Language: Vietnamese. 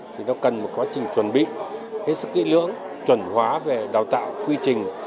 chúng ta cần một quá trình chuẩn bị hết sức kỹ lưỡng chuẩn hóa về đào tạo quy trình